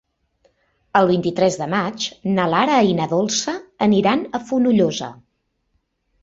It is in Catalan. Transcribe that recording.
El vint-i-tres de maig na Lara i na Dolça aniran a Fonollosa.